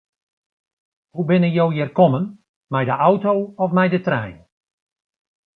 Hoe binne jo hjir kommen, mei de auto of mei de trein?